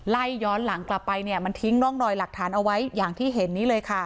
ไล่หย้อนหลังกลับไปทิ้งหน้อรอยหลักฐานเอาไว้อย่างที่เห็น